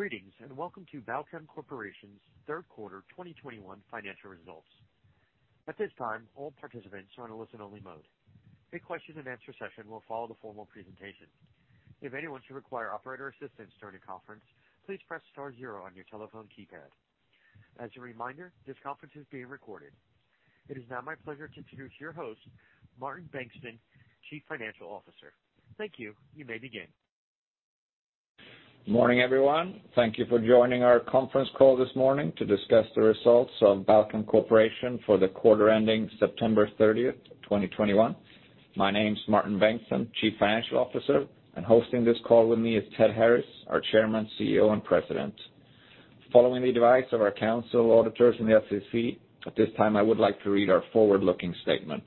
Greetings, and welcome to Balchem Corporation's third quarter 2021 financial results. At this time, all participants are in a listen-only mode. A question-and-answer session will follow the formal presentation. If anyone should require operator assistance during the conference, please press star zero on your telephone keypad. As a reminder, this conference is being recorded. It is now my pleasure to introduce your host, Martin Bengtsson, Chief Financial Officer. Thank you. You may begin. Morning, everyone. Thank you for joining our conference call this morning to discuss the results of Balchem Corporation for the quarter ending September 30, 2021. My name is Martin Bengtsson, Chief Financial Officer, and hosting this call with me is Ted Harris, our Chairman, CEO, and President. Following the advice of our counsel, auditors, and the SEC, at this time, I would like to read our forward-looking statement.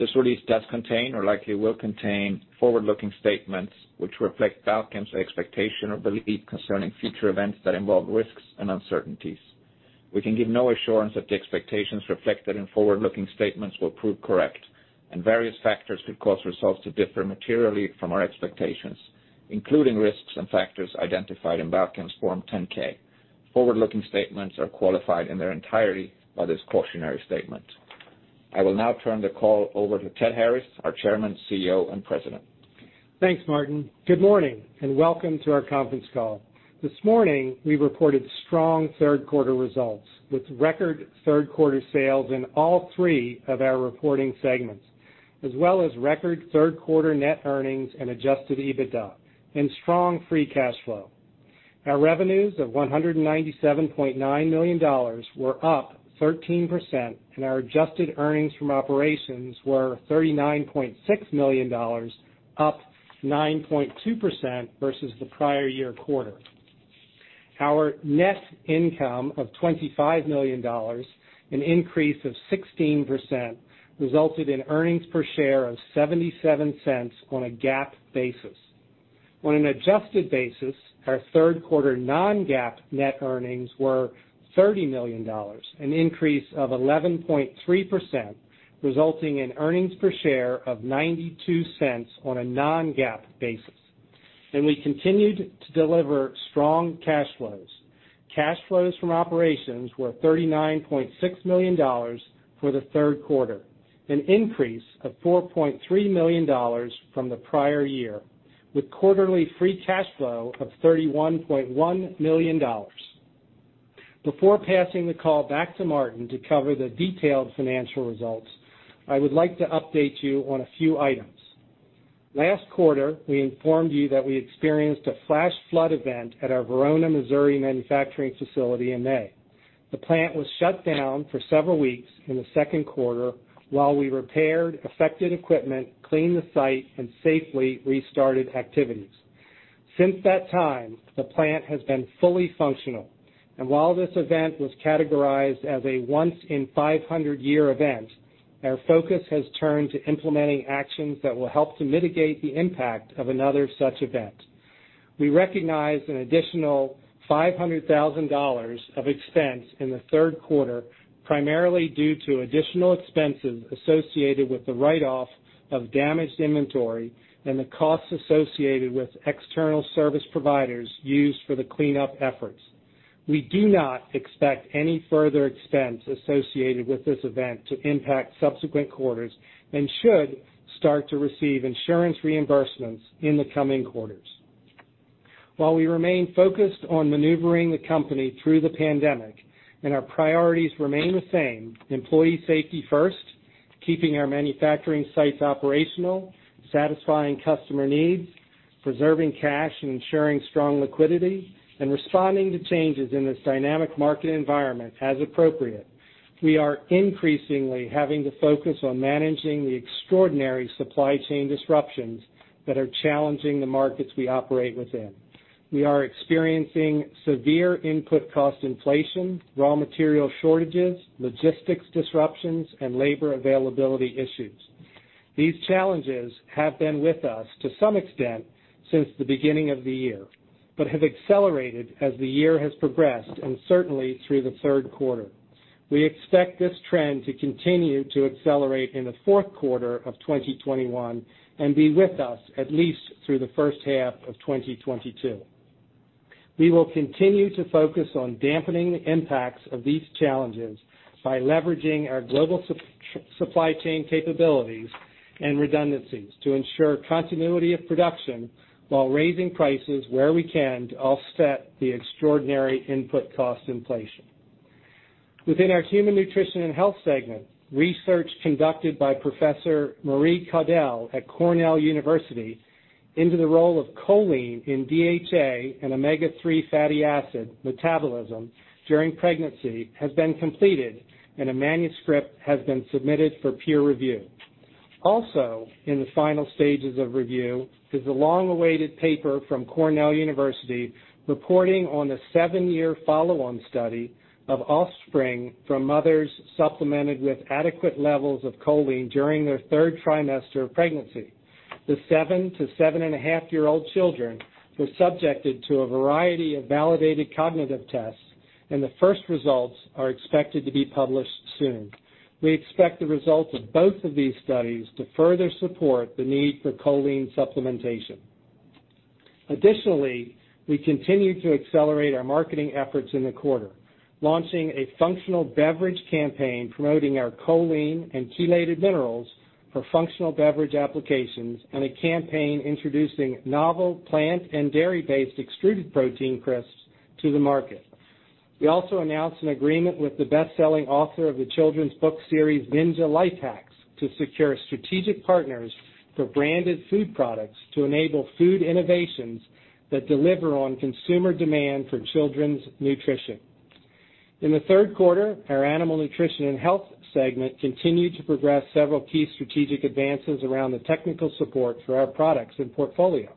This release does contain or likely will contain forward-looking statements which reflect Balchem's expectation or belief concerning future events that involve risks and uncertainties. We can give no assurance that the expectations reflected in forward-looking statements will prove correct, and various factors could cause results to differ materially from our expectations, including risks and factors identified in Balchem's Form 10-K. Forward-looking statements are qualified in their entirety by this cautionary statement. I will now turn the call over to Ted Harris, our Chairman, CEO, and President. Thanks, Martin. Good morning, and welcome to our conference call. This morning, we reported strong third quarter results, with record third quarter sales in all three of our reporting segments, as well as record third quarter net earnings and adjusted EBITDA and strong free cash flow. Our revenues of $197.9 million were up 13%, and our adjusted earnings from operations were $39.6 million, up 9.2% versus the prior year quarter. Our net income of $25 million, an increase of 16%, resulted in earnings per share of $0.77 on a GAAP basis. On an adjusted basis, our third quarter non-GAAP net earnings were $30 million, an increase of 11.3%, resulting in earnings per share of $0.92 on a non-GAAP basis. We continued to deliver strong cash flows. Cash flows from operations were $39.6 million for the third quarter, an increase of $4.3 million from the prior year, with quarterly free cash flow of $31.1 million. Before passing the call back to Martin to cover the detailed financial results, I would like to update you on a few items. Last quarter, we informed you that we experienced a flash flood event at our Verona, Missouri manufacturing facility in May. The plant was shut down for several weeks in the second quarter while we repaired affected equipment, cleaned the site, and safely restarted activities. Since that time, the plant has been fully functional, and while this event was categorized as a once-in-500-year event, our focus has turned to implementing actions that will help to mitigate the impact of another such event. We recognized an additional $500,000 of expense in the third quarter, primarily due to additional expenses associated with the write-off of damaged inventory and the costs associated with external service providers used for the cleanup efforts. We do not expect any further expense associated with this event to impact subsequent quarters and should start to receive insurance reimbursements in the coming quarters. While we remain focused on maneuvering the company through the pandemic and our priorities remain the same, employee safety first, keeping our manufacturing sites operational, satisfying customer needs, preserving cash, and ensuring strong liquidity, and responding to changes in this dynamic market environment as appropriate. We are increasingly having to focus on managing the extraordinary supply chain disruptions that are challenging the markets we operate within. We are experiencing severe input cost inflation, raw material shortages, logistics disruptions, and labor availability issues. These challenges have been with us to some extent since the beginning of the year, but have accelerated as the year has progressed and certainly through the third quarter. We expect this trend to continue to accelerate in the fourth quarter of 2021 and be with us at least through the first half of 2022. We will continue to focus on dampening the impacts of these challenges by leveraging our global supply chain capabilities and redundancies to ensure continuity of production while raising prices where we can to offset the extraordinary input cost inflation. Within our human nutrition and health segment, research conducted by Professor Marie Caudill at Cornell University into the role of choline in DHA and omega-3 fatty acid metabolism during pregnancy has been completed, and a manuscript has been submitted for peer review. In the final stages of review is a long-awaited paper from Cornell University reporting on the 7-year follow-on study of offspring from mothers supplemented with adequate levels of choline during their third trimester of pregnancy. The 7- to 7-and-a-half-year-old children were subjected to a variety of validated cognitive tests, and the first results are expected to be published soon. We expect the results of both of these studies to further support the need for choline supplementation. Additionally, we continue to accelerate our marketing efforts in the quarter, launching a functional beverage campaign promoting our choline and chelated minerals for functional beverage applications and a campaign introducing novel plant and dairy-based extruded protein crisps to the market. We also announced an agreement with the best-selling author of the children's book series, Ninja Life Hacks, to secure strategic partners for branded food products to enable food innovations that deliver on consumer demand for children's nutrition. In the third quarter, our animal nutrition and health segment continued to progress several key strategic advances around the technical support for our products and portfolio.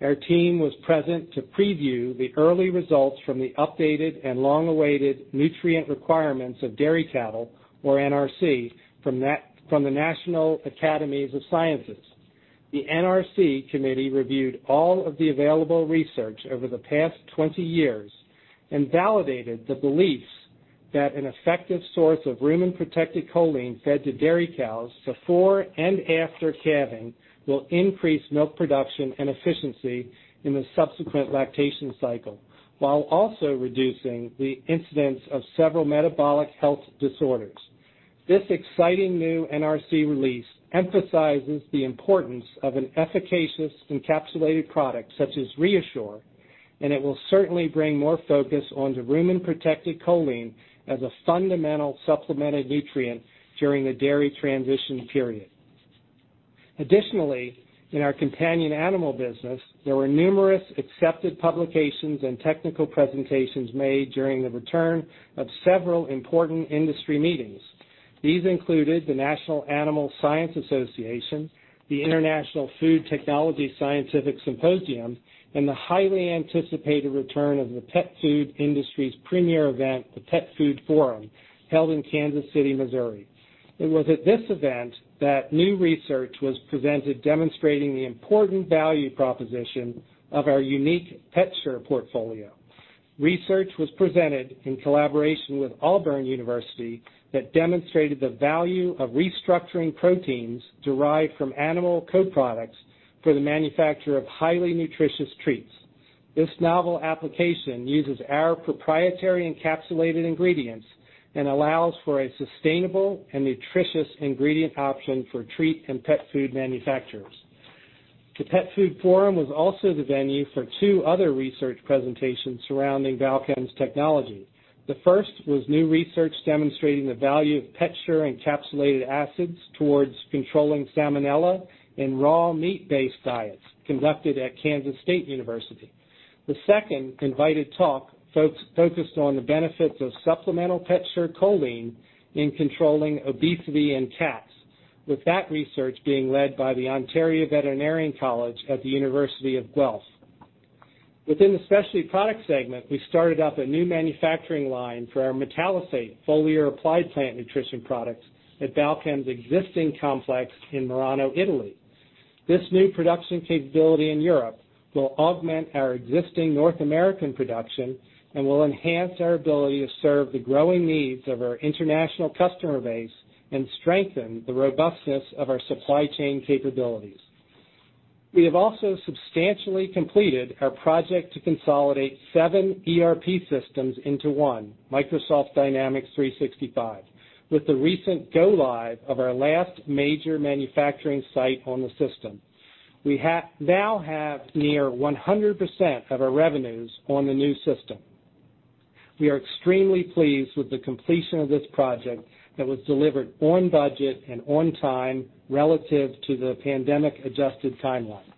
Our team was present to preview the early results from the updated and long-awaited nutrient requirements of dairy cattle, or NRC, from the National Academies of Sciences. The NRC committee reviewed all of the available research over the past 20 years and validated the beliefs that an effective source of rumen-protected choline fed to dairy cows before and after calving will increase milk production and efficiency in the subsequent lactation cycle, while also reducing the incidence of several metabolic health disorders. This exciting new NRC release emphasizes the importance of an efficacious encapsulated product such as ReaShure, and it will certainly bring more focus onto rumen-protected choline as a fundamental supplemented nutrient during the dairy transition period. Additionally, in our companion animal business, there were numerous accepted publications and technical presentations made during the return of several important industry meetings. These included the American Society of Animal Science, the Institute of Food Technologists Annual Meeting, and the highly anticipated return of the pet food industry's premier event, the Petfood Forum, held in Kansas City, Missouri. It was at this event that new research was presented demonstrating the important value proposition of our unique PetShure portfolio. Research was presented in collaboration with Auburn University that demonstrated the value of restructuring proteins derived from animal co-products for the manufacture of highly nutritious treats. This novel application uses our proprietary encapsulated ingredients and allows for a sustainable and nutritious ingredient option for treat and pet food manufacturers. The Petfood Forum was also the venue for two other research presentations surrounding Balchem's technology. The first was new research demonstrating the value of PetShure encapsulated acids towards controlling Salmonella in raw meat-based diets conducted at Kansas State University. The second invited talk focused on the benefits of supplemental PetShure choline in controlling obesity in cats, with that research being led by the Ontario Veterinary College at the University of Guelph. Within the specialty product segment, we started up a new manufacturing line for our Metalosate foliar applied plant nutrition products at Balchem's existing complex in Merano, Italy. This new production capability in Europe will augment our existing North American production and will enhance our ability to serve the growing needs of our international customer base and strengthen the robustness of our supply chain capabilities. We have also substantially completed our project to consolidate 7 ERP systems into one, Microsoft Dynamics 365, with the recent go live of our last major manufacturing site on the system. We now have near 100% of our revenues on the new system. We are extremely pleased with the completion of this project that was delivered on budget and on time relative to the pandemic adjusted timeline.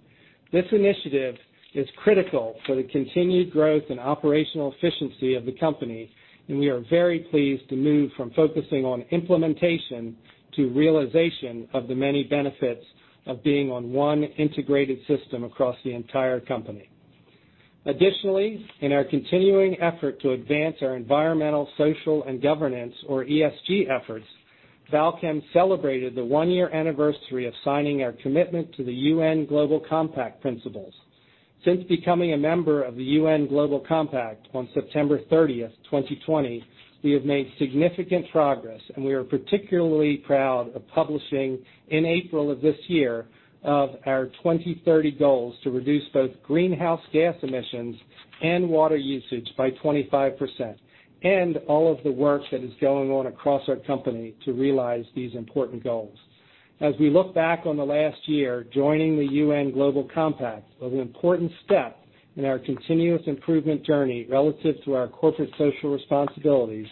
This initiative is critical for the continued growth and operational efficiency of the company, and we are very pleased to move from focusing on implementation to realization of the many benefits of being on one integrated system across the entire company. Additionally, in our continuing effort to advance our environmental, social, and governance, or ESG efforts, Balchem celebrated the one-year anniversary of signing our commitment to the UN Global Compact principles. Since becoming a member of the UN Global Compact on September 30, 2020, we have made significant progress, and we are particularly proud of publishing in April of this year our 2030 goals to reduce both greenhouse gas emissions and water usage by 25%, and all of the work that is going on across our company to realize these important goals. As we look back on the last year, joining the UN Global Compact was an important step in our continuous improvement journey relative to our corporate social responsibilities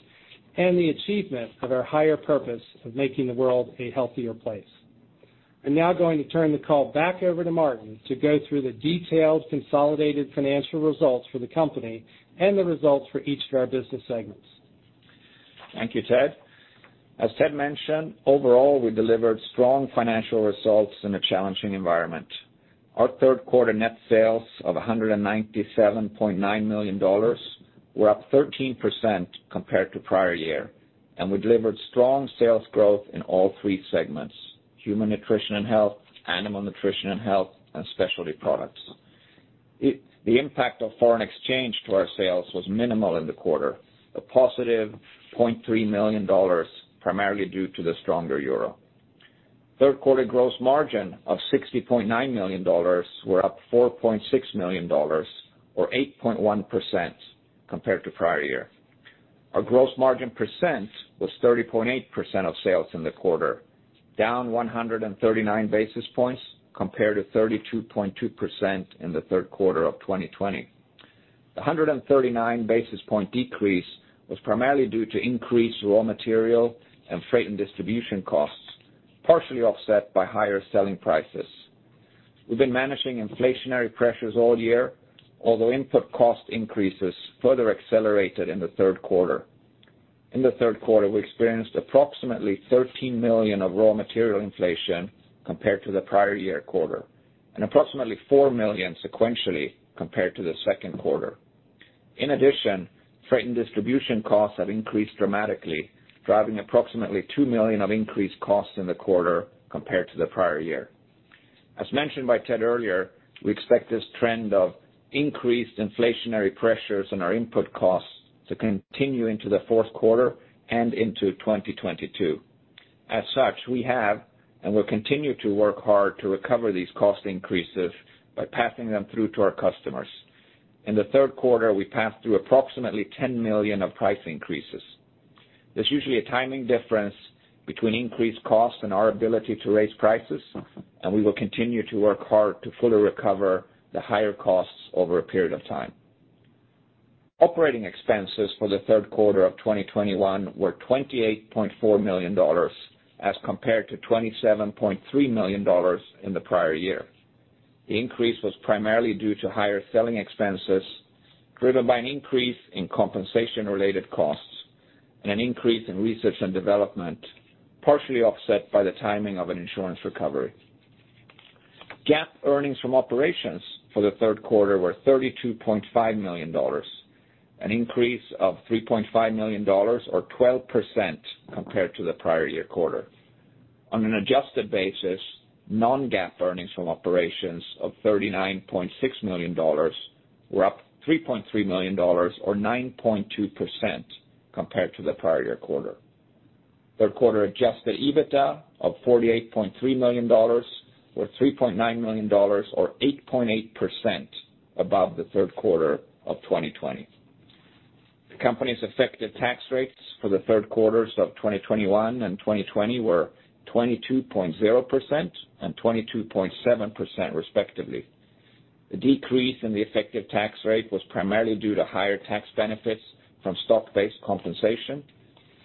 and the achievement of our higher purpose of making the world a healthier place. I'm now going to turn the call back over to Martin to go through the detailed consolidated financial results for the company and the results for each of our business segments. Thank you, Ted. As Ted mentioned, overall, we delivered strong financial results in a challenging environment. Our third quarter net sales of $197.9 million were up 13% compared to prior year, and we delivered strong sales growth in all three segments: human nutrition and health, animal nutrition and health, and specialty products. The impact of foreign exchange to our sales was minimal in the quarter, a positive $0.3 million, primarily due to the stronger euro. Third quarter gross margin of $60.9 million were up $4.6 million or 8.1% compared to prior year. Our gross margin percent was 30.8% of sales in the quarter, down 139 basis points compared to 32.2% in the third quarter of 2020. The 139 basis point decrease was primarily due to increased raw material and freight and distribution costs, partially offset by higher selling prices. We've been managing inflationary pressures all year, although input cost increases further accelerated in the third quarter. In the third quarter, we experienced approximately $13 million of raw material inflation compared to the prior year quarter, and approximately $4 million sequentially compared to the second quarter. In addition, freight and distribution costs have increased dramatically, driving approximately $2 million of increased costs in the quarter compared to the prior year. As mentioned by Ted earlier, we expect this trend of increased inflationary pressures on our input costs to continue into the fourth quarter and into 2022. As such, we have and will continue to work hard to recover these cost increases by passing them through to our customers. In the third quarter, we passed through approximately $10 million of price increases. There's usually a timing difference between increased costs and our ability to raise prices, and we will continue to work hard to fully recover the higher costs over a period of time. Operating expenses for the third quarter of 2021 were $28.4 million, as compared to $27.3 million in the prior year. The increase was primarily due to higher selling expenses, driven by an increase in compensation-related costs and an increase in research and development, partially offset by the timing of an insurance recovery. GAAP earnings from operations for the third quarter were $32.5 million, an increase of $3.5 million or 12% compared to the prior year quarter. On an adjusted basis, non-GAAP earnings from operations of $39.6 million were up $3.3 million or 9.2% compared to the prior year quarter. Third quarter adjusted EBITDA of $48.3 million was up $3.9 million or 8.8% above the third quarter of 2020. The company's effective tax rates for the third quarters of 2021 and 2020 were 22.0% and 22.7%, respectively. The decrease in the effective tax rate was primarily due to higher tax benefits from stock-based compensation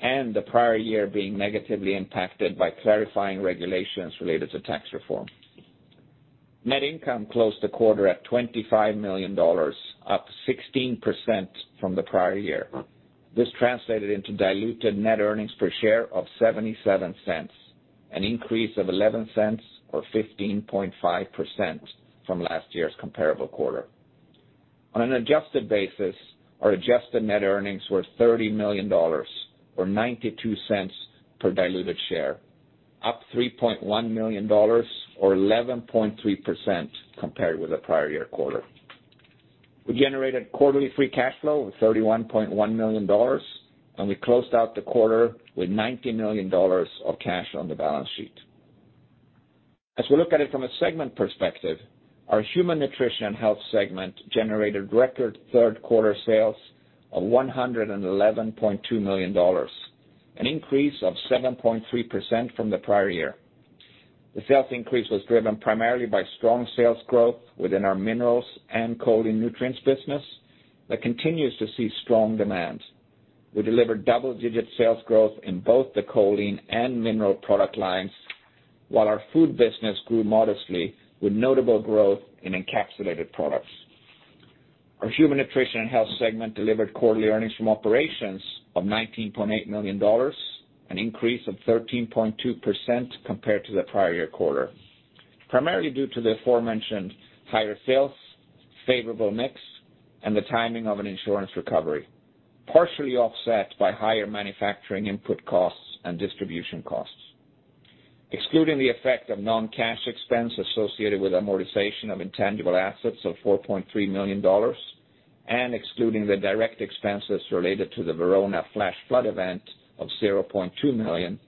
and the prior year being negatively impacted by clarifying regulations related to tax reform. Net income closed the quarter at $25 million, up 16% from the prior year. This translated into diluted net earnings per share of $0.77, an increase of $0.11 or 15.5% from last year's comparable quarter. On an adjusted basis, our adjusted net earnings were $30 million or $0.92 per diluted share, up $3.1 million or 11.3% compared with the prior year quarter. We generated quarterly free cash flow of $31.1 million, and we closed out the quarter with $90 million of cash on the balance sheet. As we look at it from a segment perspective, our Human Nutrition and Health segment generated record third quarter sales of $111.2 million, an increase of 7.3% from the prior year. The sales increase was driven primarily by strong sales growth within our minerals and choline nutrients business that continues to see strong demand. We delivered double-digit sales growth in both the choline and mineral product lines, while our food business grew modestly with notable growth in encapsulated products. Our human nutrition and health segment delivered quarterly earnings from operations of $19.8 million, an increase of 13.2% compared to the prior year quarter, primarily due to the aforementioned higher sales, favorable mix, and the timing of an insurance recovery, partially offset by higher manufacturing input costs and distribution costs. Excluding the effect of non-cash expense associated with amortization of intangible assets of $4.3 million and excluding the direct expenses related to the Verona flash flood event of $0.2 million,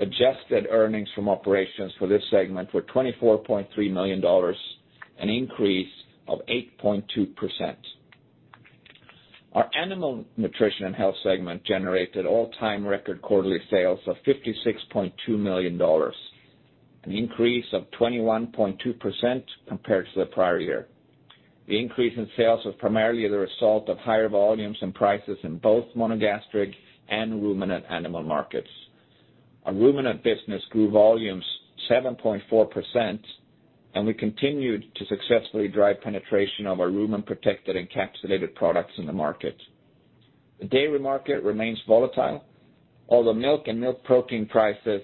adjusted earnings from operations for this segment were $24.3 million, an increase of 8.2%. Our animal nutrition and health segment generated all-time record quarterly sales of $56.2 million, an increase of 21.2% compared to the prior year. The increase in sales was primarily the result of higher volumes and prices in both monogastric and ruminant animal markets. Our ruminant business grew volumes 7.4%, and we continued to successfully drive penetration of our rumen-protected encapsulated products in the market. The dairy market remains volatile, although milk and milk protein prices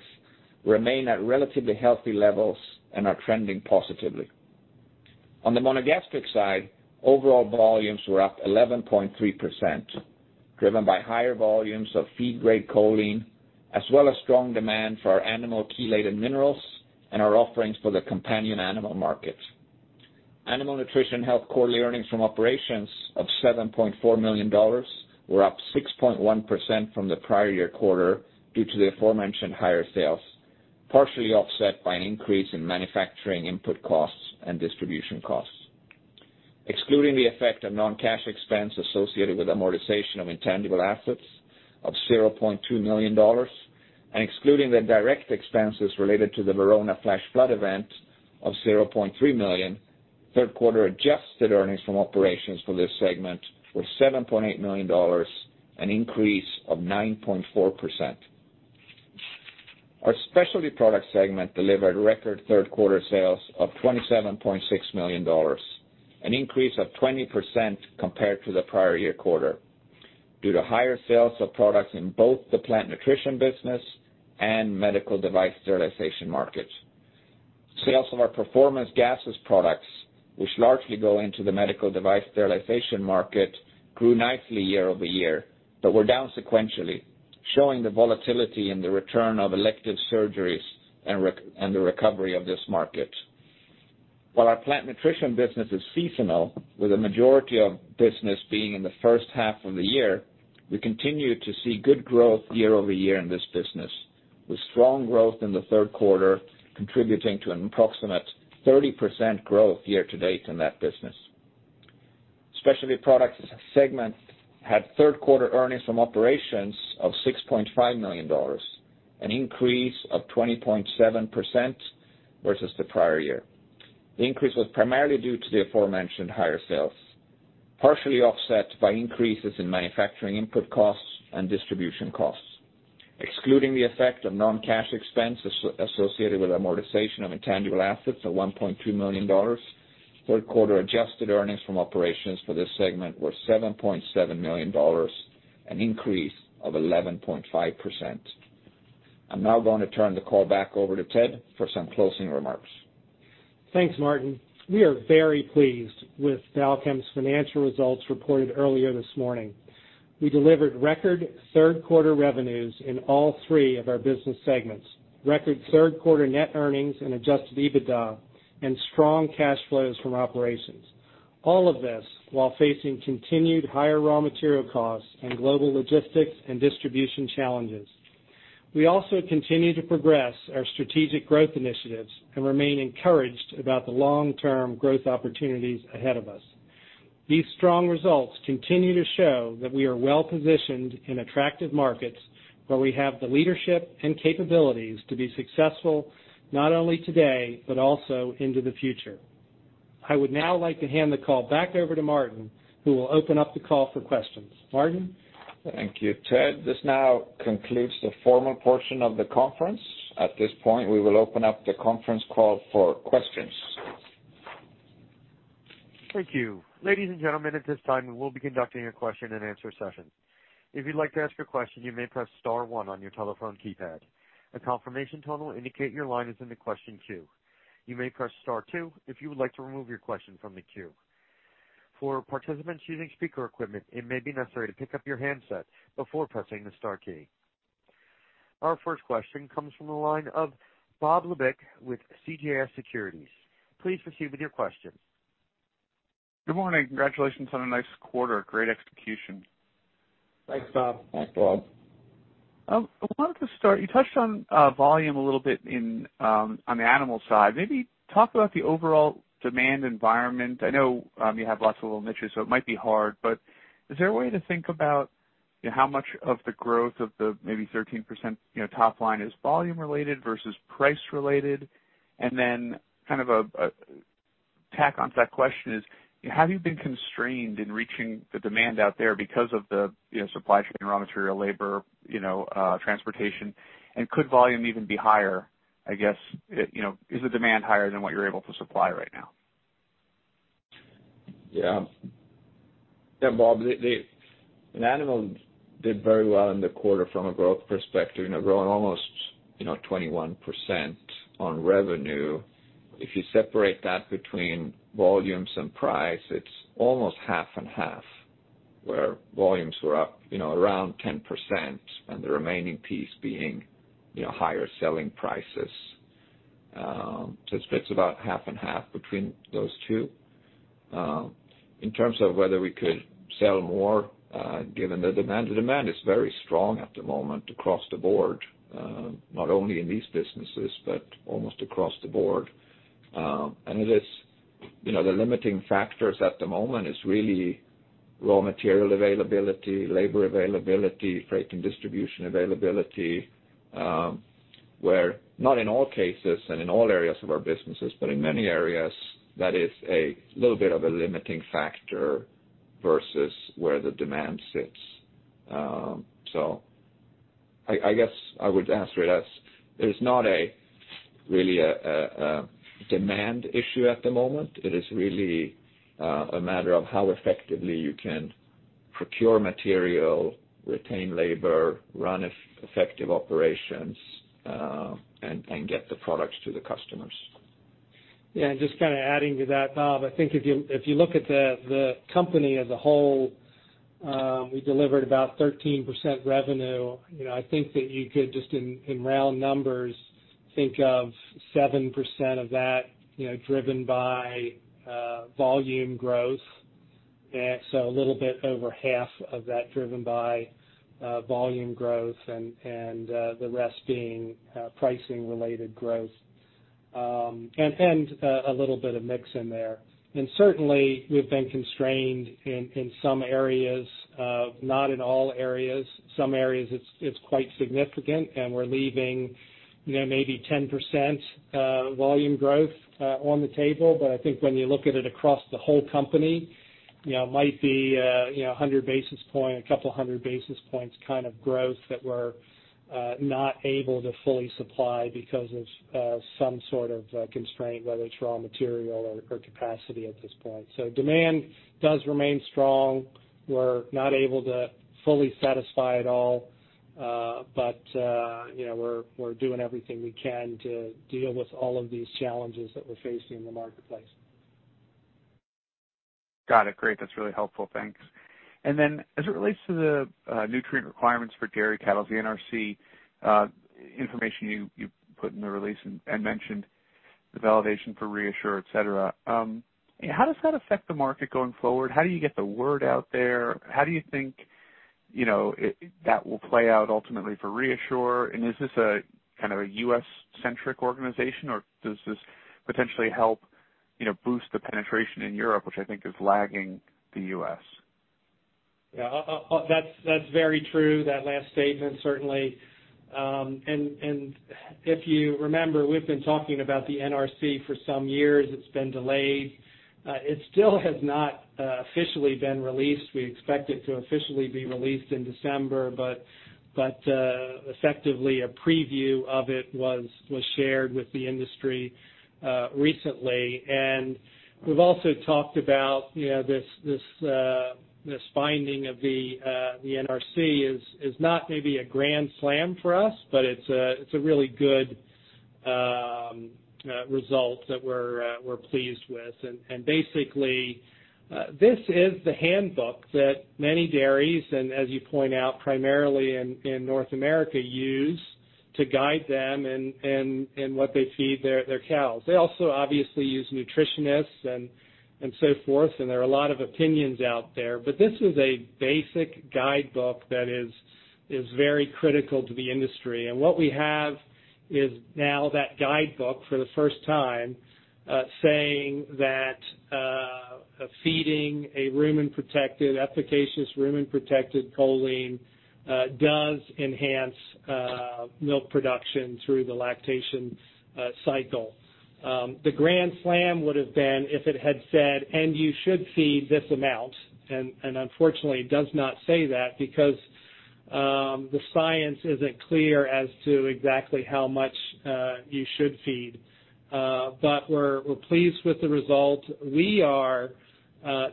remain at relatively healthy levels and are trending positively. On the monogastric side, overall volumes were up 11.3%. Driven by higher volumes of feed-grade choline, as well as strong demand for our animal chelated minerals and our offerings for the companion animal market. Animal Nutrition Health quarterly earnings from operations of $7.4 million were up 6.1% from the prior year quarter due to the aforementioned higher sales, partially offset by an increase in manufacturing input costs and distribution costs. Excluding the effect of non-cash expense associated with amortization of intangible assets of $0.2 million and excluding the direct expenses related to the Verona flash flood event of $0.3 million, third quarter adjusted earnings from operations for this segment were $7.8 million, an increase of 9.4%. Our Specialty Product segment delivered record third quarter sales of $27.6 million, an increase of 20% compared to the prior year quarter due to higher sales of products in both the plant nutrition business and medical device sterilization market. Sales of our performance gases products, which largely go into the medical device sterilization market, grew nicely year-over-year, but were down sequentially, showing the volatility in the return of elective surgeries and the recovery of this market. While our plant nutrition business is seasonal, with a majority of business being in the first half of the year, we continue to see good growth year-over-year in this business, with strong growth in the third quarter contributing to an approximate 30% growth year-to-date in that business. Specialty Products segment had third quarter earnings from operations of $6.5 million, an increase of 20.7% versus the prior year. The increase was primarily due to the aforementioned higher sales, partially offset by increases in manufacturing input costs and distribution costs. Excluding the effect of non-cash expense associated with amortization of intangible assets of $1.2 million, third quarter adjusted earnings from operations for this segment were $7.7 million, an increase of 11.5%. I'm now going to turn the call back over to Ted for some closing remarks. Thanks, Martin. We are very pleased with Balchem's financial results reported earlier this morning. We delivered record third quarter revenues in all three of our business segments, record third quarter net earnings and adjusted EBITDA, and strong cash flows from operations. All of this while facing continued higher raw material costs and global logistics and distribution challenges. We also continue to progress our strategic growth initiatives and remain encouraged about the long-term growth opportunities ahead of us. These strong results continue to show that we are well-positioned in attractive markets, where we have the leadership and capabilities to be successful not only today but also into the future. I would now like to hand the call back over to Martin, who will open up the call for questions. Martin? Thank you, Ted. This now concludes the formal portion of the conference. At this point, we will open up the conference call for questions. Thank you. Ladies and gentlemen, at this time, we will be conducting a question and answer session. If you'd like to ask a question, you may press star one on your telephone keypad. A confirmation tone will indicate your line is in the question queue. You may press star two if you would like to remove your question from the queue. For participants using speaker equipment, it may be necessary to pick up your handset before pressing the star key. Our first question comes from the line of Robert Labick with CJS Securities. Please proceed with your question. Good morning. Congratulations on a nice quarter. Great execution. Thanks, Bob. Thanks, Bob. I wanted to start, you touched on volume a little bit in on the animal side. Maybe talk about the overall demand environment. I know you have lots of little niches, so it might be hard, but is there a way to think about how much of the growth of the maybe 13% you know top line is volume related versus price related? Then kind of a tack onto that question is, have you been constrained in reaching the demand out there because of the you know supply chain, raw material, labor transportation? And could volume even be higher, Is the demand higher than what you're able to supply right now? Yeah. Yeah, Bob, the in Animal did very well in the quarter from a growth perspective, you know, growing almost 21% on revenue. If you separate that between volumes and price, it's almost half and half, where volumes were up around 10% and the remaining piece being higher selling prices, so it splits about half and half between those two. In terms of whether we could sell more, given the demand, the demand is very strong at the moment across the board, not only in these businesses, but almost across the board. It is the limiting factors at the moment is really raw material availability, labor availability, freight and distribution availability, where not in all cases and in all areas of our businesses, but in many areas, that is a little bit of a limiting factor versus where the demand sits. I would answer it as there's not really a demand issue at the moment. It is really a matter of how effectively you can procure material, retain labor, run effective operations, and get the products to the customers. Yeah, just kind of adding to that, Bob, if you look at the company as a whole, we delivered about 13% revenue. I think that you could just in round numbers think of 7% of that driven by volume growth. A little bit over half of that driven by volume growth and the rest being pricing related growth. A little bit of mix in there. Certainly, we've been constrained in some areas, not in all areas. Some areas it's quite significant, and we're leaving maybe 10% volume growth on the table. When you look at it across the whole company it might be 100 basis point, a couple hundred basis points kind of growth that we're not able to fully supply because of some sort of constraint, whether it's raw material or capacity at this point. Demand does remain strong. We're not able to fully satisfy it all, but we're doing everything we can to deal with all of these challenges that we're facing in the marketplace. Got it. Great. That's really helpful. Thanks. Then as it relates to the nutrient requirements for dairy cattle, the NRC information you put in the release and mentioned the validation for ReAssure, et cetera, how does that affect the market going forward? How do you get the word out there? How do you think that will play out ultimately for ReAssure? Is this a kind of a U.S.-centric organization, or does this potentially help boost the penetration in Europe, which I think is lagging the U.S.? Yeah. That's very true, that last statement, certainly. If you remember, we've been talking about the NRC for some years. It's been delayed. It still has not officially been released. We expect it to officially be released in December, but effectively, a preview of it was shared with the industry recently. We've also talked about this finding of the NRC is not maybe a grand slam for us, but it's a really good result that we're pleased with. Basically, this is the handbook that many dairies, and as you point out, primarily in North America, use to guide them in what they feed their cows. They also obviously use nutritionists and so forth, and there are a lot of opinions out there. This is a basic guidebook that is very critical to the industry. What we have is now that guidebook for the first time saying that feeding a rumen-protected, efficacious choline does enhance milk production through the lactation cycle. The grand slam would have been if it had said, "And you should feed this amount." Unfortunately, it does not say that because the science isn't clear as to exactly how much you should feed. We're pleased with the result. We are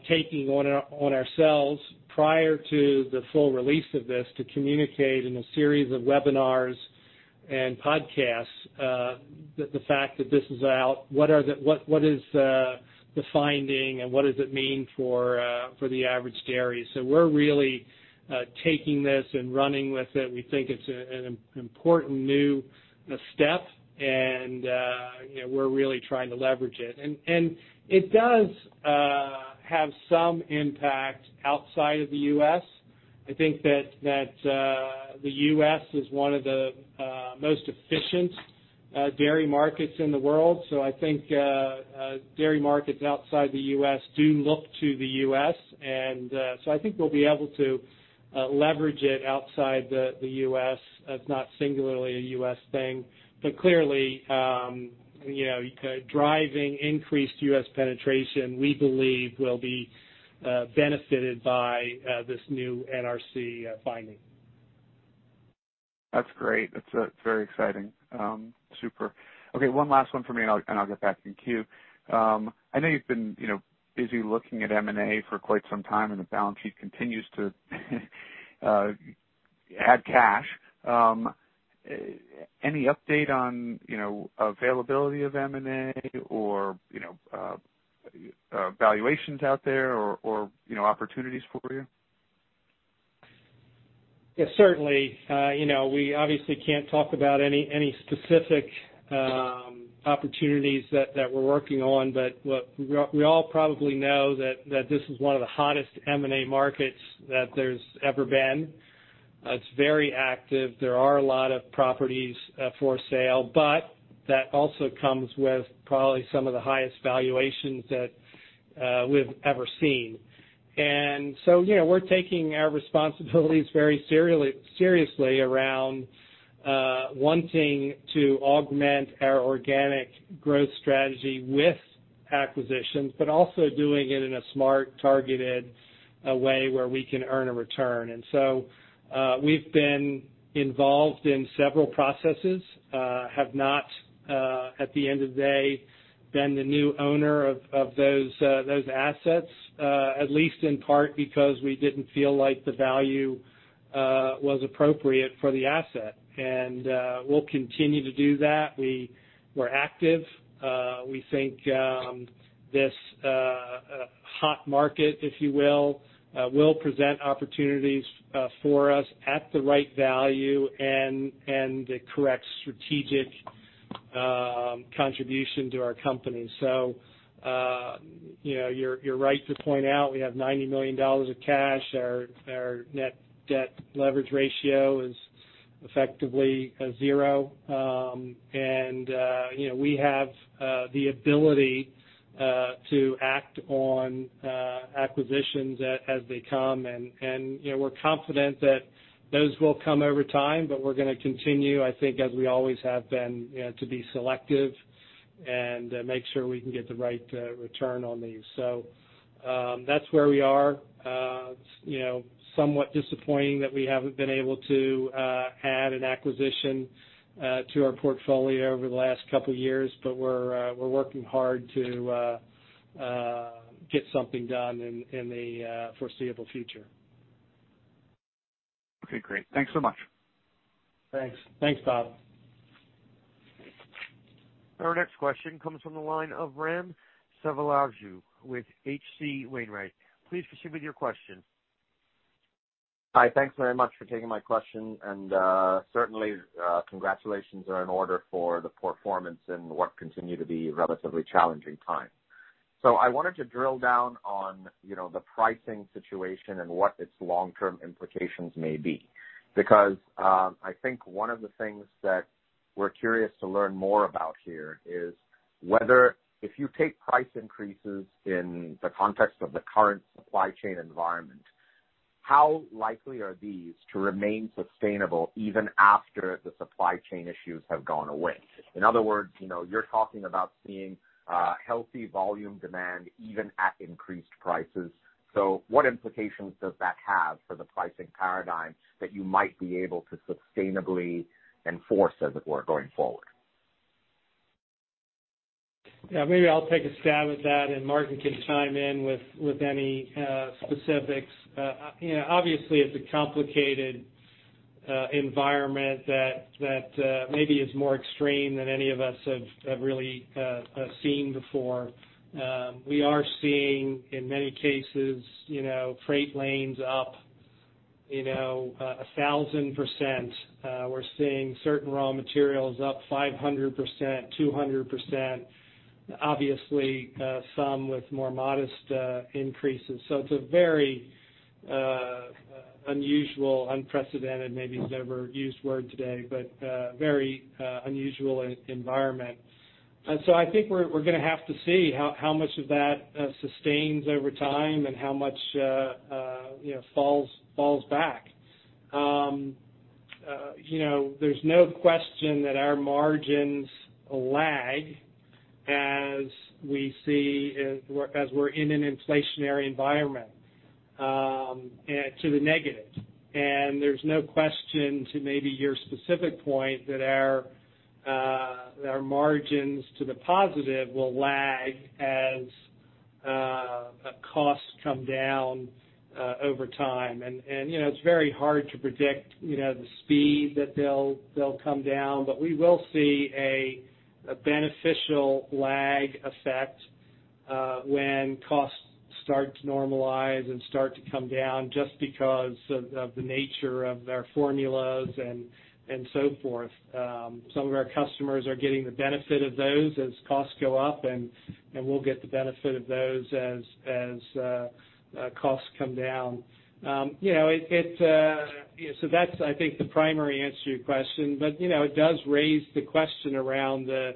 taking on ourselves prior to the full release of this to communicate in a series of webinars and podcasts, the fact that this is out, what is the finding and what does it mean for the average dairy. We're really taking this and running with it. We think it's an important new step and you know, we're really trying to leverage it. It does have some impact outside of the U.S. I think that the U.S. is one of the most efficient dairy markets in the world. I think dairy markets outside the U.S. do look to the U.S. I think we'll be able to leverage it outside the U.S. It's not singularly a U.S. thing, but clearly, you know, driving increased U.S. penetration, we believe, will be this new NRC finding. That's great. That's very exciting. Super. Okay, one last one for me, and I'll get back in queue. I know you've been busy looking at M&A for quite some time, and the balance sheet continues to add cash. Any update on, you know, availability of M&A or, you know, valuations out there or, you know, opportunities for you? Yes, certainly. We obviously can't talk about any specific opportunities that we're working on, but we all probably know that this is one of the hottest M&A markets that there's ever been. It's very active. There are a lot of properties for sale, but that also comes with probably some of the highest valuations that we've ever seen. We're taking our responsibilities very seriously around wanting to augment our organic growth strategy with acquisitions, but also doing it in a smart, targeted way where we can earn a return. We've been involved in several processes, have not, at the end of the day, been the new owner of those assets, at least in part because we didn't feel like the value was appropriate for the asset. We'll continue to do that. We're active. We think this hot market, if you will present opportunities for us at the right value and the correct strategic contribution to our company. You're right to point out we have $90 million of cash. Our net debt leverage ratio is effectively zero. We have the ability to act on acquisitions as they come and we're confident that those will come over time, but we're gonna continue as we always have been to be selective and make sure we can get the right return on these. That's where we are. It's somewhat disappointing that we haven't been able to add an acquisition to our portfolio over the last couple years, but we're working hard to get something done in the foreseeable future. Okay, great. Thanks so much. Thanks. Thanks, Todd. Our next question comes from the line of Raghuram Selvaraju with H.C. Wainwright. Please proceed with your question. Hi. Thanks very much for taking my question. Certainly, congratulations are in order for the performance in what continue to be relatively challenging times. I wanted to drill down on the pricing situation and what its long-term implications may be because, one of the things that we're curious to learn more about here is whether if you take price increases in the context of the current supply chain environment, how likely are these to remain sustainable even after the supply chain issues have gone away? In other words you're talking about seeing healthy volume demand even at increased prices. What implications does that have for the pricing paradigm that you might be able to sustainably enforce, as it were, going forward? Yeah, maybe I'll take a stab at that, and Martin can chime in with any specifics. Obviously it's a complicated environment that maybe is more extreme than any of us have really seen before. We are seeing, in many cases freight lanes up 1,000%. We're seeing certain raw materials up 500%, 200%, obviously, some with more modest increases. It's a very unusual, unprecedented, maybe it's an overused word today, but very unusual environment. We're gonna have to see how much of that sustains over time and how much falls back. There's no question that our margins lag as we see as we're in an inflationary environment to the negative. There's no question to maybe your specific point that our margins to the positive will lag as costs come down over time. It's very hard to predict the speed that they'll come down. We will see a beneficial lag effect when costs start to normalize and start to come down just because of the nature of our formulas and so forth. Some of our customers are getting the benefit of those as costs go up, and we'll get the benefit of those as costs come down. That's the primary answer to your question. It does raise the question around the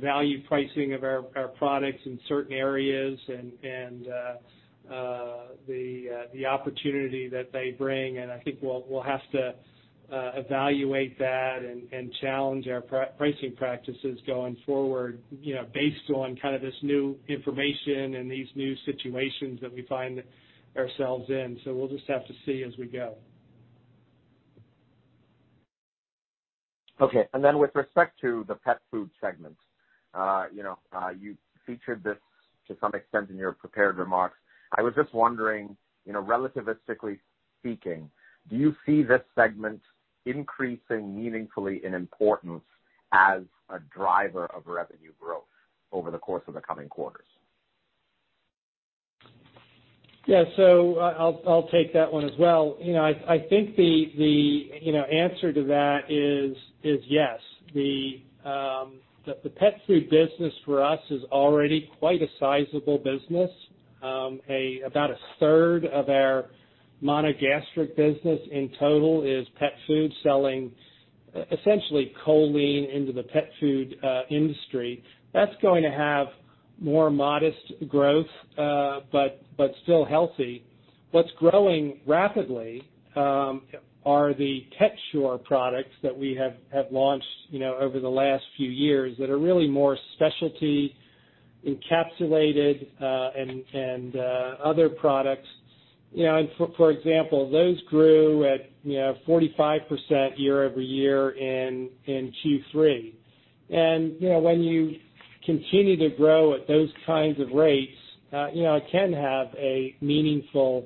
value pricing of our products in certain areas and the opportunity that they bring. I think we'll have to evaluate that and challenge our pricing practices going forward based on kind of this new information and these new situations that we find ourselves in. We'll just have to see as we go. Okay. With respect to the pet food segment, you featured this to some extent in your prepared remarks. I was just wondering, relativistically speaking, do you see this segment increasing meaningfully in importance as a driver of revenue growth over the course of the coming quarters? I'll take that one as well. The answer to that is yes. The pet food business for us is already quite a sizable business. About a third of our monogastric business in total is pet food, selling essentially choline into the pet food industry. That's going to have more modest growth, but still healthy. What's growing rapidly are the PetShure products that we have launched over the last few years that are really more specialty encapsulated and other products. For example, those grew at 45% year-over-year in Q3. When you continue to grow at those kinds of rates, you know, it can have a meaningful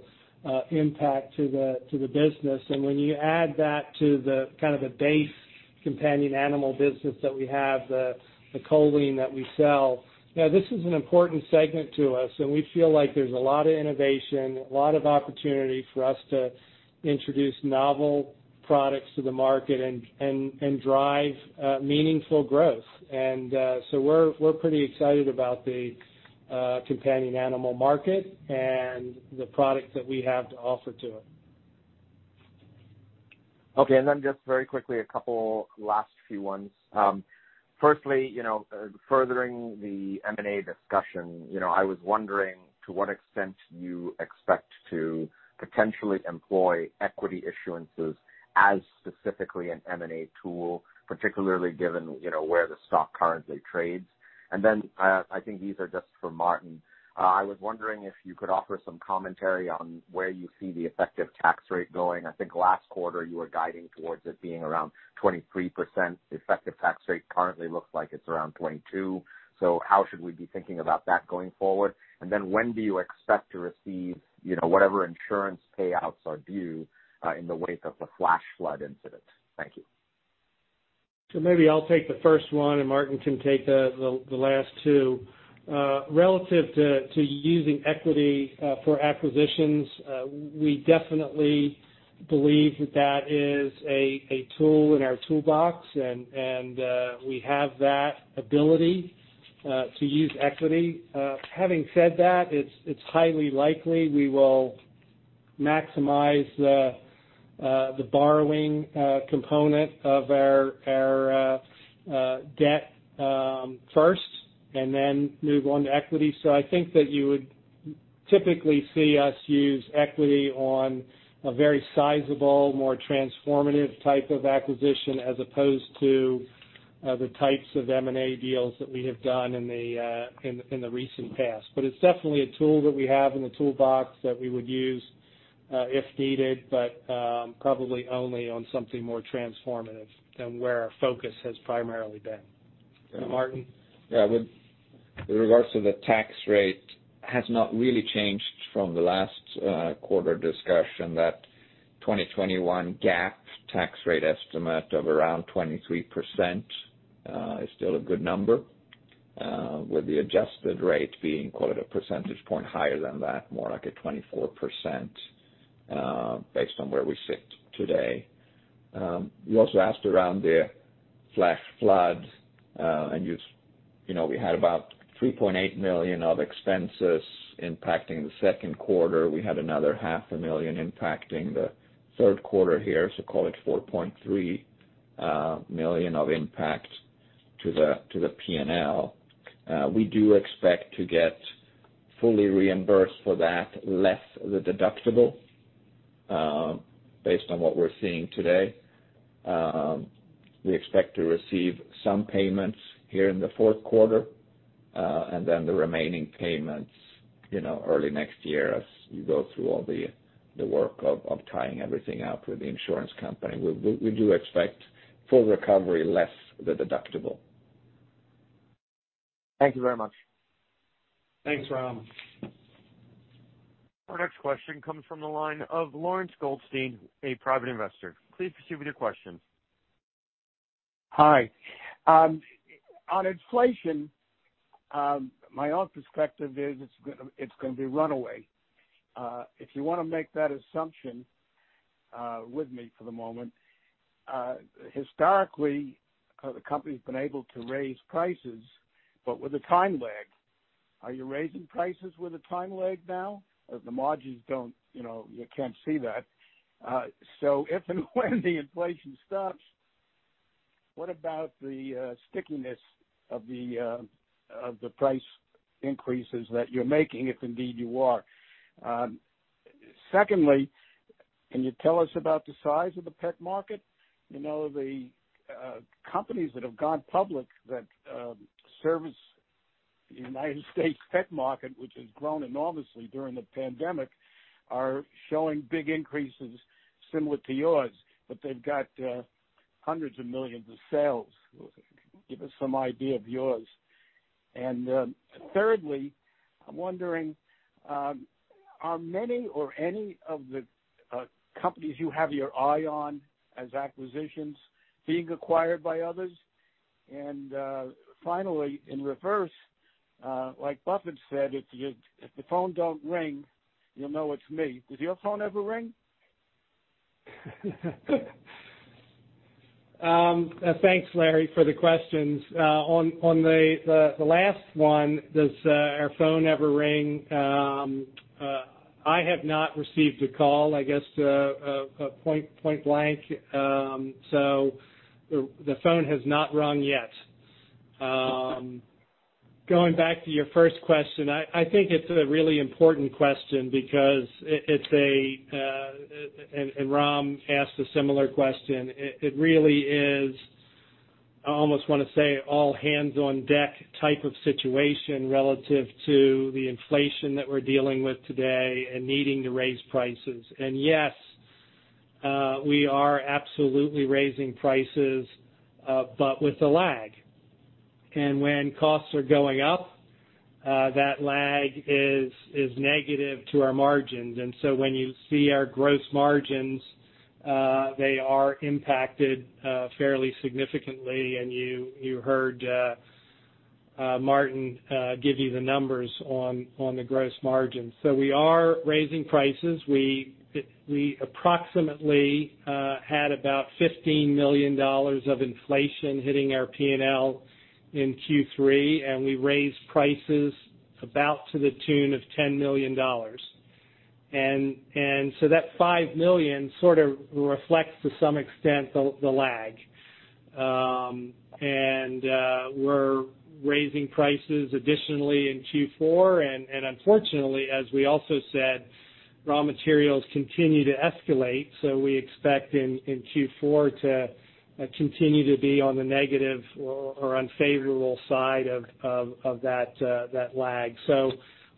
impact to the business. When you add that to the kind of the base companion animal business that we have, the choline that we sell. This is an important segment to us, and we feel like there's a lot of innovation, a lot of opportunity for us to introduce novel products to the market and drive meaningful growth. So we're pretty excited about the companion animal market and the products that we have to offer to them. Okay. Just very quickly, a couple last few ones. Firstly furthering the M&A discussion I was wondering to what extent you expect to potentially employ equity issuances as specifically an M&A tool, particularly given, you know, where the stock currently trades. I think these are just for Martin. I was wondering if you could offer some commentary on where you see the effective tax rate going. I think last quarter you were guiding towards it being around 23%. The effective tax rate currently looks like it's around 22%. How should we be thinking about that going forward? When do you expect to receive, you know, whatever insurance payouts are due, in the wake of the flash flood incident? Thank you. Maybe I'll take the first one and Martin can take the last two. Relative to using equity for acquisitions, we definitely believe that is a tool in our toolbox and we have that ability to use equity. Having said that, it's highly likely we will maximize the borrowing component of our debt first and then move on to equity. I think that you would typically see us use equity on a very sizable, more transformative type of acquisition as opposed to the types of M&A deals that we have done in the recent past. It's definitely a tool that we have in the toolbox that we would use, if needed, but, probably only on something more transformative than where our focus has primarily been. Martin? Yeah. With regards to the tax rate, it has not really changed from the last quarter discussion that 2021 GAAP tax rate estimate of around 23% is still a good number. With the adjusted rate being call it a percentage point higher than that, more like 24%, based on where we sit today. You also asked about the flash floods, and we had about $3.8 million of expenses impacting the second quarter. We had another $0.5 million impacting the third quarter here. Call it $4.3 million of impact to the P&L. We do expect to get fully reimbursed for that, less the deductible, based on what we're seeing today. We expect to receive some payments here in the fourth quarter, and then the remaining payments early next year as you go through all the work of tying everything up with the insurance company. We do expect full recovery, less the deductible. Thank you very much. Thanks, Ram. Our next question comes from the line of Lawrence Goldstein, a private investor. Please proceed with your question. Hi. On inflation, my own perspective is it's gonna be runaway. If you wanna make that assumption with me for the moment, historically, the company's been able to raise prices, but with a time lag. Are you raising prices with a time lag now? The margins don't. You can't see that. If and when the inflation stops, what about the stickiness of the price increases that you're making, if indeed you are? Secondly, can you tell us about the size of the pet market? The companies that have gone public that service the United States pet market, which has grown enormously during the pandemic, are showing big increases similar to yours, but they've got $hundreds of millions in sales. Give us some idea of yours. Thirdly, I'm wondering, are many or any of the companies you have your eye on as acquisitions being acquired by others? Finally, in reverse, like Buffett said, if the phone don't ring, you'll know it's me. Does your phone ever ring? Thanks, Larry, for the questions. On the last one, does our phone ever ring? I have not received a call point blank. So the phone has not rung yet. Going back to your first question, I think it's a really important question because it's an, and Ram asked a similar question. It really is, I almost wanna say all hands on deck type of situation relative to the inflation that we're dealing with today and needing to raise prices. Yes, we are absolutely raising prices, but with a lag. When costs are going up, that lag is negative to our margins. When you see our gross margins, they are impacted fairly significantly. You heard Martin give you the numbers on the gross margins. We are raising prices. We approximately had about $15 million of inflation hitting our PNL in Q3, and we raised prices about to the tune of $10 million. That $5 million sort of reflects to some extent the lag. We're raising prices additionally in Q4. Unfortunately, as we also said, raw materials continue to escalate, so we expect in Q4 to continue to be on the negative or unfavorable side of that lag.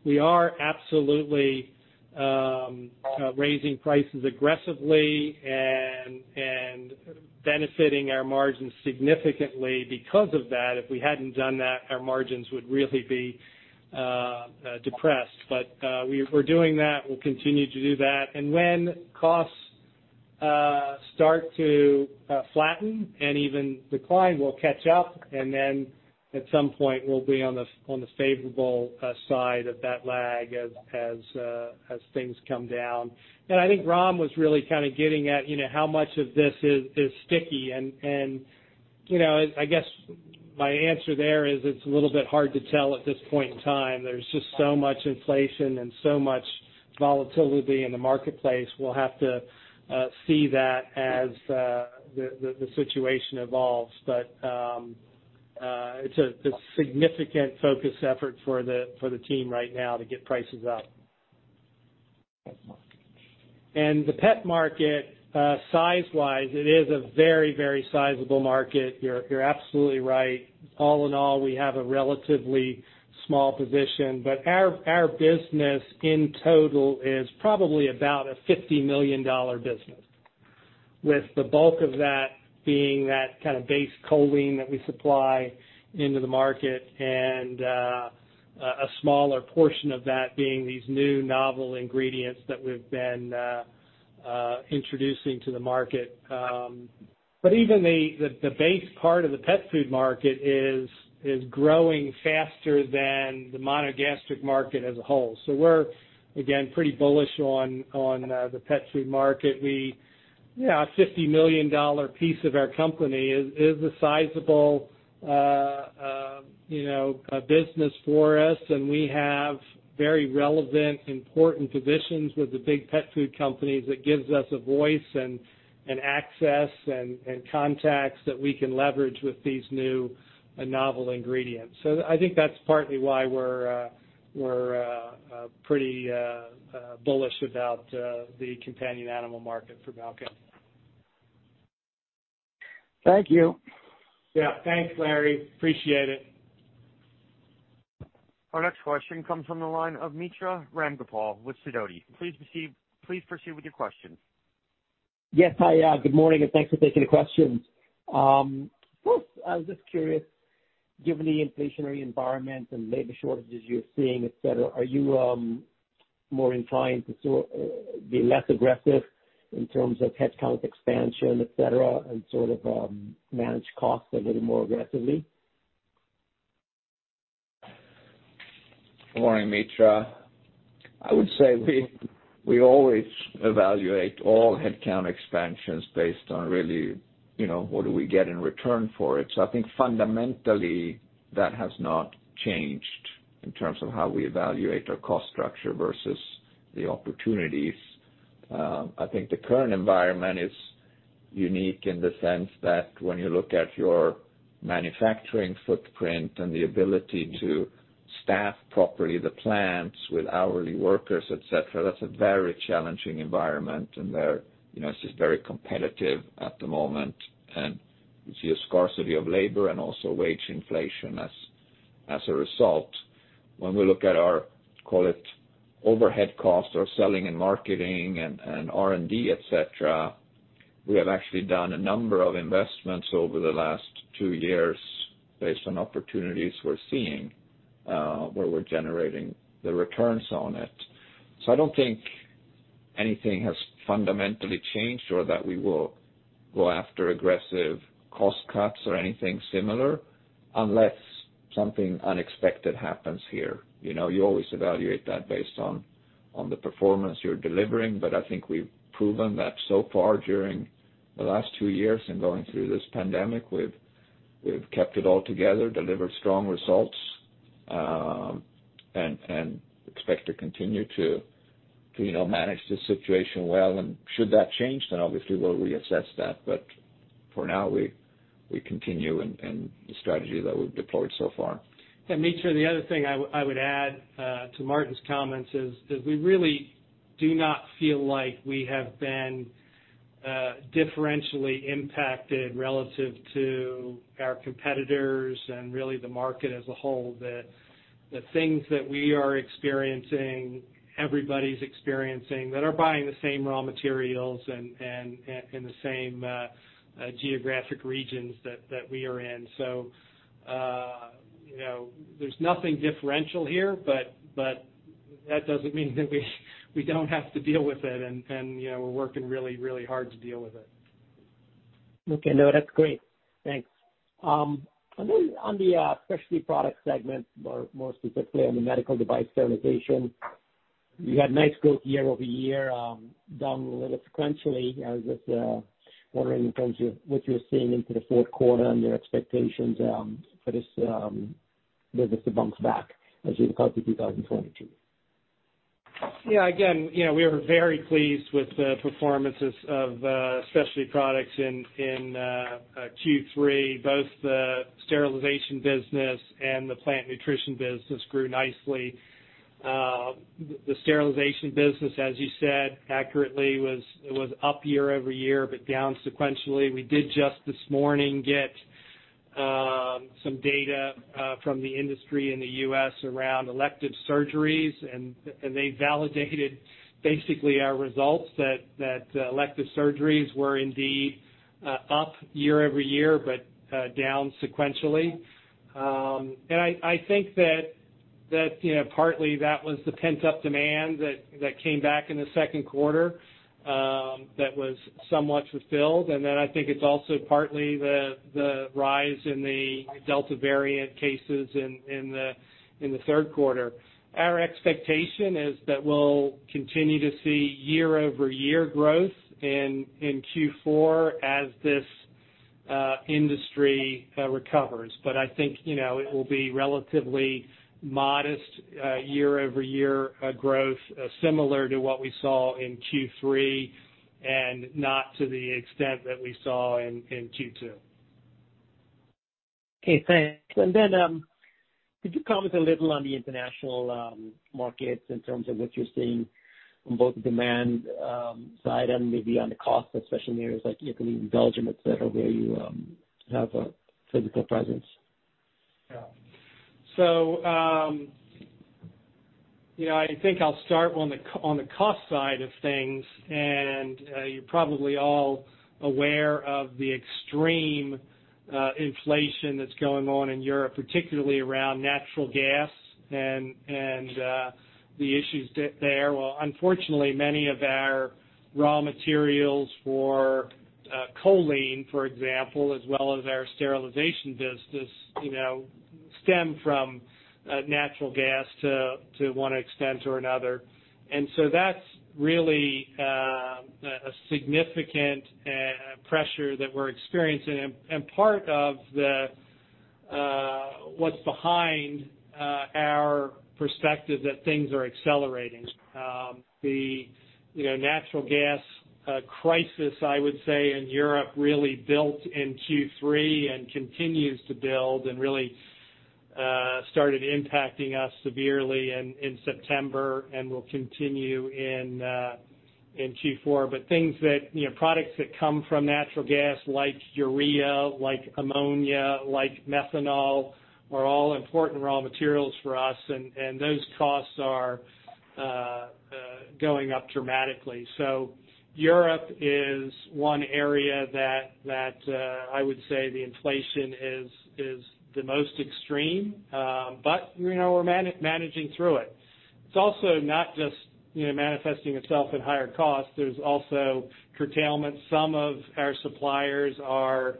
We are absolutely raising prices aggressively and benefiting our margins significantly because of that. If we hadn't done that, our margins would really be depressed. We're doing that. We'll continue to do that. When costs start to flatten and even decline, we'll catch up. At some point we'll be on the favorable side of that lag as things come down. I think Ram was really kind of getting at, you know, how much of this is sticky. You know, I guess my answer there is it's a little bit hard to tell at this point in time. There's just so much inflation and so much volatility in the marketplace. We'll have to see that as the situation evolves. It's a significant focus effort for the team right now to get prices up. Pet market. The pet market, size-wise, it is a very, very sizable market. You're absolutely right. All in all, we have a relatively small position. Our business in total is probably about a $50 million business, with the bulk of that being that kind of base choline that we supply into the market, and a smaller portion of that being these new novel ingredients that we've been introducing to the market. Even the base part of the pet food market is growing faster than the monogastric market as a whole. We're, again, pretty bullish on the pet food market. We. Yeah, a $50 million piece of our company is a sizable a business for us, and we have very relevant, important positions with the big pet food companies that gives us a voice and access and contacts that we can leverage with these new novel ingredients. That's partly why we're pretty bullish about the companion animal market for Balchem. Thank you. Yeah. Thanks, Larry. Appreciate it. Our next question comes from the line of Mitra Ramgopal with Sidoti. Please proceed with your question. Yes. Hi, good morning, and thanks for taking the questions. First, I was just curious, given the inflationary environment and labor shortages you're seeing, et cetera, are you more inclined to sort of be less aggressive in terms of headcount expansion, et cetera, and sort of manage costs a little more aggressively? Good morning, Mitra. I would say we always evaluate all headcount expansions based on really, you know, what do we get in return for it. I think fundamentally that has not changed in terms of how we evaluate our cost structure versus the opportunities. I think the current environment is unique in the sense that when you look at your manufacturing footprint and the ability to staff properly the plants with hourly workers, et cetera, that's a very challenging environment. You know, it's just very competitive at the moment, and you see a scarcity of labor and also wage inflation as a result. When we look at our, call it, overhead costs or selling and marketing and R&D, et cetera, we have actually done a number of investments over the last two years based on opportunities we're seeing, where we're generating the returns on it. I don't think anything has fundamentally changed or that we will go after aggressive cost cuts or anything similar unless something unexpected happens here. You always evaluate that based on the performance you're delivering. I think we've proven that so far during the last two years in going through this pandemic, we've kept it all together, delivered strong results, and expect to continue to you know, manage the situation well. Should that change, then obviously we'll reassess that. For now, we continue in the strategy that we've deployed so far. Mitra, the other thing I would add to Martin's comments is that we really do not feel like we have been differentially impacted relative to our competitors and really the market as a whole, that the things that we are experiencing, everybody's experiencing that are buying the same raw materials and the same geographic regions that we are in. There's nothing differential here, but that doesn't mean that we don't have to deal with it. We're working really hard to deal with it. Okay. No, that's great. Thanks. And then on the specialty product segment, more specifically on the medical device sterilization, you had nice growth year-over-year, down a little sequentially. I was just wondering in terms of what you're seeing into the fourth quarter and your expectations for this business to bounce back as we look out to 2022. Yeah. Again we are very pleased with the performances of Specialty Products in Q3, both the sterilization business and the plant nutrition business grew nicely. The sterilization business, as you said accurately, was up year-over-year, but down sequentially. We did just this morning get some data from the industry in the U.S. around elective surgeries, and they validated basically our results that elective surgeries were indeed up year-over-year, but down sequentially. I think that, you know, partly that was the pent-up demand that came back in the second quarter that was somewhat fulfilled. I think it's also partly the rise in the Delta variant cases in the third quarter. Our expectation is that we'll continue to see year-over-year growth in Q4 as this industry recovers. But I think, you know, it will be relatively modest year-over-year growth similar to what we saw in Q3 and not to the extent that we saw in Q2. Okay, thanks. Could you comment a little on the international markets in terms of what you're seeing on both demand side and maybe on the cost, especially in areas like Italy, Belgium, et cetera, where you have a physical presence? Yeah. I'll start on the cost side of things. You're probably all aware of the extreme inflation that's going on in Europe, particularly around natural gas and the issues there. Well, unfortunately, many of our raw materials for choline, for example, as well as our sterilization business, you know, stem from natural gas to one extent or another. That's really a significant pressure that we're experiencing and part of what's behind our perspective that things are accelerating. The natural gas crisis, I would say, in Europe really built in Q3 and continues to build and really started impacting us severely in September and will continue in Q4. Things that products that come from natural gas like urea, like ammonia, like methanol are all important raw materials for us. Those costs are going up dramatically. Europe is one area that I would say the inflation is the most extreme. You know, we're managing through it. It's also not just, you know, manifesting itself in higher costs. There's also curtailment. Some of our suppliers are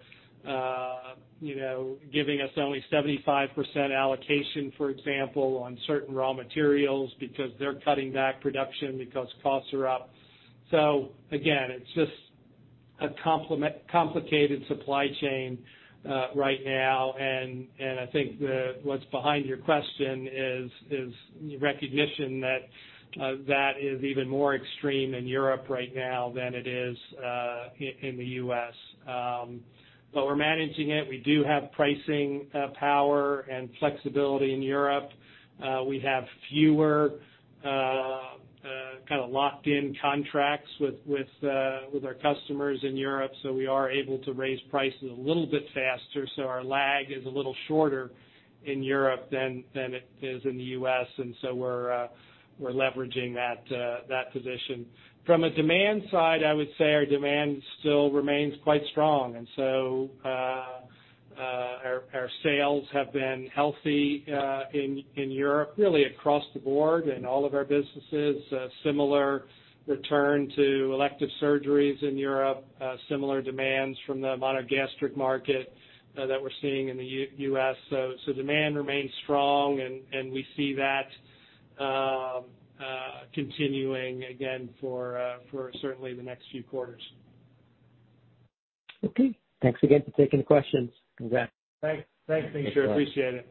giving us only 75% allocation, for example, on certain raw materials because they're cutting back production because costs are up. Again, it's just a complicated supply chain right now. I think what's behind your question is recognition that that is even more extreme in Europe right now than it is in the U.S. We're managing it. We do have pricing power and flexibility in Europe. We have fewer kinda locked in contracts with our customers in Europe, so we are able to raise prices a little bit faster. Our lag is a little shorter in Europe than it is in the U.S. We're leveraging that position. From a demand side, I would say our demand still remains quite strong. Our sales have been healthy in Europe, really across the board in all of our businesses. Similar return to elective surgeries in Europe, similar demands from the monogastric market that we're seeing in the U.S. Demand remains strong and we see that continuing again for certainly the next few quarters. Okay. Thanks again for taking the questions. Congrats. Thanks. Thanks, Mitra. I appreciate it.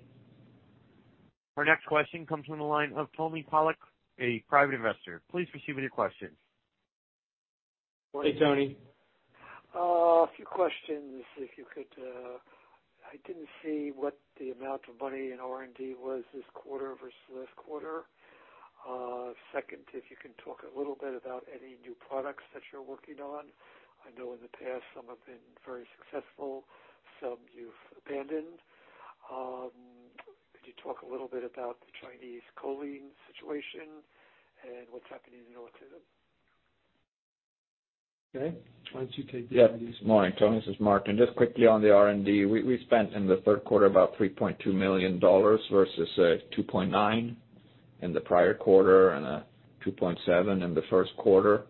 Our next question comes from the line of Tony Polak, a private investor. Please proceed with your question. Hey, Tony. A few questions, if you could, I didn't see what the amount of money in R&D was this quarter versus last quarter. Second, if you can talk a little bit about any new products that you're working on. I know in the past some have been very successful, some you've abandoned. Could you talk a little bit about the Chinese choline situation and what's happening in the autumn? Okay. Why don't you take that one? Yeah. Morning, Tony. This is Martin. Just quickly on the R&D. We spent in the third quarter about $3.2 million versus $2.9 million in the prior quarter and $2.7 million in the first quarter.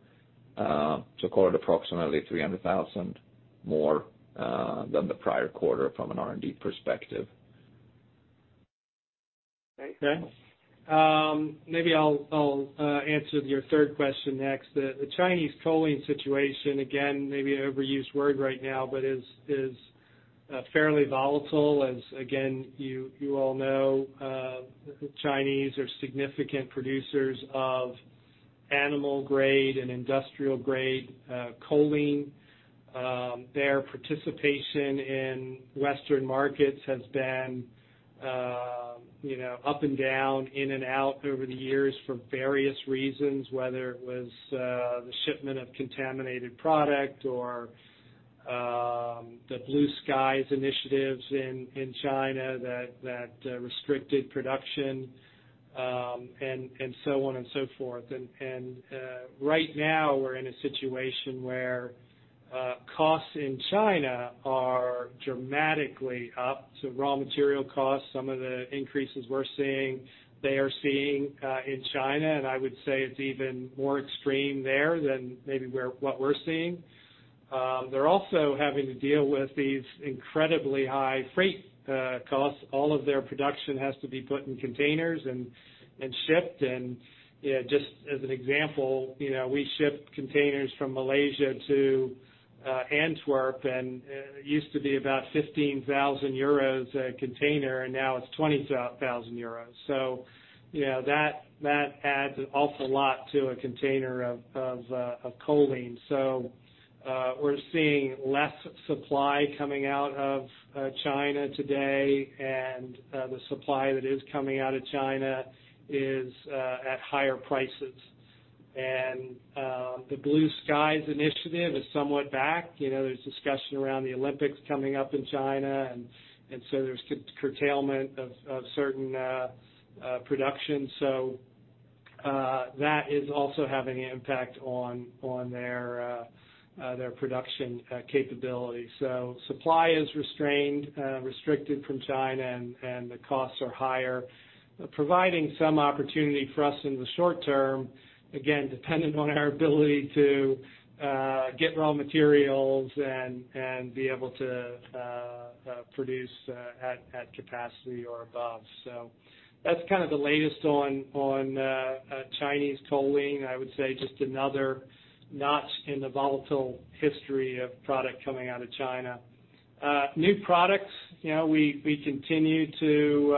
So call it approximately $300,000 more than the prior quarter from an R&D perspective. Okay. Maybe I'll answer your third question next. The Chinese choline situation, again, maybe an overused word right now, but is fairly volatile as, again, you all know, the Chinese are significant producers of animal grade and industrial grade choline. Their participation in Western markets has been, you know, up and down, in and out over the years for various reasons, whether it was the shipment of contaminated product or the Blue Sky initiatives in China that restricted production, and so on and so forth. Right now we're in a situation where costs in China are dramatically up. Raw material costs, some of the increases we're seeing, they are seeing in China, and I would say it's even more extreme there than maybe what we're seeing. They're also having to deal with these incredibly high freight costs. All of their production has to be put in containers and shipped. You know, just as an example, you know, we ship containers from Malaysia to Antwerp, and it used to be about 15,000 euros a container, and now it's 20,000 euros. You know, that adds an awful lot to a container of choline. We're seeing less supply coming out of China today and the supply that is coming out of China is at higher prices. The Blue Sky initiative is somewhat back. You know, there's discussion around the Olympics coming up in China and so there's curtailment of certain production. That is also having an impact on their production capability. Supply is restrained, restricted from China, and the costs are higher, providing some opportunity for us in the short term, again, dependent on our ability to get raw materials and be able to produce at capacity or above. That's kind of the latest on Chinese choline. I would say just another notch in the volatile history of product coming out of China. New products. You know, we continue to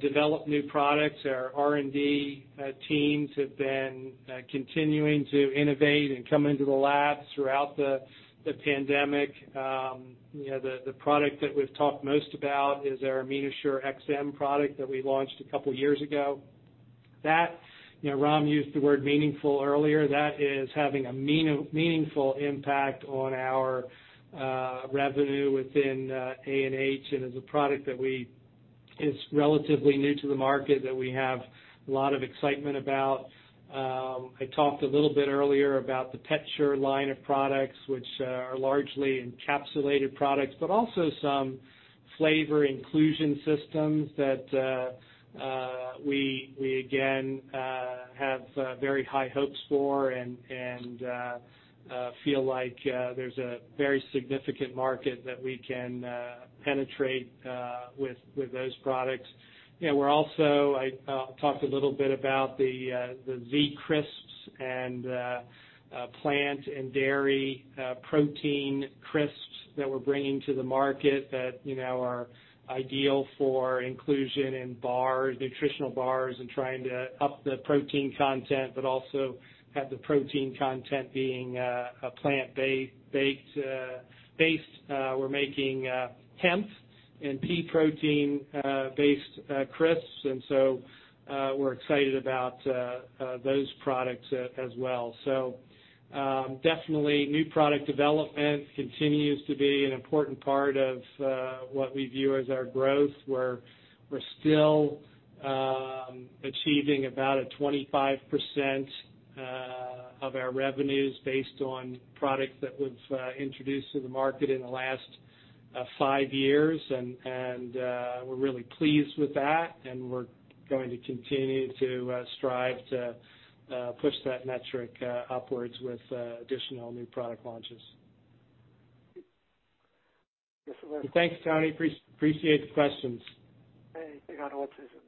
develop new products. Our R&D teams have been continuing to innovate and come into the lab throughout the pandemic. You know, the product that we've talked most about is our AminoShure-XM product that we launched a couple years ago. You know, Ram used the word meaningful earlier. That is having a meaningful impact on our revenue within ANH and is a product that is relatively new to the market that we have a lot of excitement about. I talked a little bit earlier about the PetShure line of products, which are largely encapsulated products, but also some flavor inclusion systems that we again have very high hopes for and feel like there's a very significant market that we can penetrate with those products. You know, we're also. I talked a little bit about the Z-Crisps and plant and dairy protein crisps that we're bringing to the market that, you know, are ideal for inclusion in bars, nutritional bars, and trying to up the protein content, but also have the protein content being a plant-based. We're making hemp and pea protein based crisps, and so we're excited about those products as well. Definitely new product development continues to be an important part of what we view as our growth. We're still achieving about a 25% of our revenues based on products that we've introduced to the market in the last five years. We're really pleased with that, and we're going to continue to strive to push that metric upwards with additional new product launches. Yes, sir. Thanks, Tony. Appreciate the questions. Hey, hang on one second. Next one,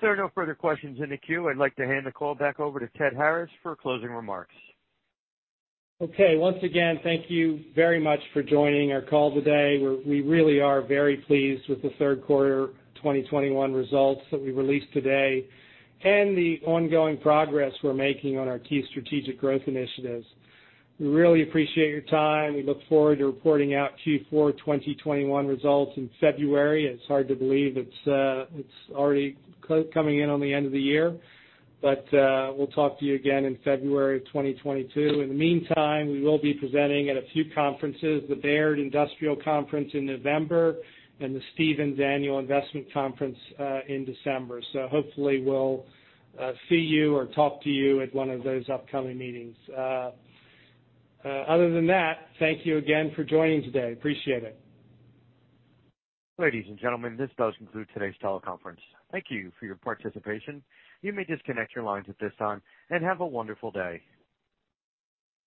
please. There are no further questions in the queue. I'd like to hand the call back over to Ted Harris for closing remarks. Okay. Once again, thank you very much for joining our call today. We really are very pleased with the third quarter 2021 results that we released today and the ongoing progress we're making on our key strategic growth initiatives. We really appreciate your time. We look forward to reporting out Q4 2021 results in February. It's hard to believe it's already coming in on the end of the year. We'll talk to you again in February 2022. In the meantime, we will be presenting at a few conferences, the Baird Industrial Conference in November and the Stephens Annual Investment Conference in December. Hopefully we'll see you or talk to you at one of those upcoming meetings. Other than that, thank you again for joining today. Appreciate it. Ladies and gentlemen, this does conclude today's teleconference. Thank you for your participation. You may disconnect your lines at this time, and have a wonderful day.